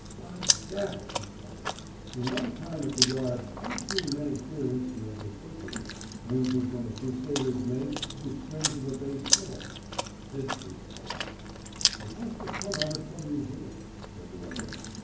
"By gad!" he cried, "in my time at the Yard I've seen many queer instruments of butchery ranging from a crusader's mace to the strings of a bass fiddle but this beats the lot." "It must have come out of some museum," said the other.